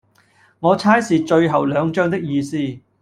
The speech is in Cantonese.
我猜是最後兩張的意思